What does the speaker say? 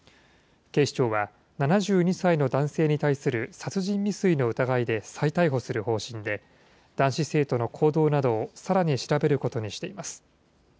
警視庁は７２歳の男性に対する殺人未遂の疑いで再逮捕する方針で、男子生徒の行動などをさらに調べることにしています。